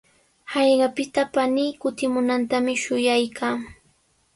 Hallqapita panii kutimunantami shuyaykaa.